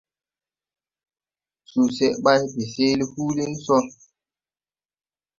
Suseʼ bày de seele huulin so.